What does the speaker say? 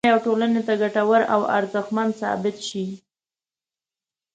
او خپلې کورنۍ او ټولنې ته ګټور او ارزښتمن ثابت شي